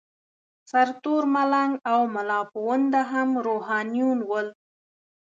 سرتور ملنګ او ملاپوونده هم روحانیون ول.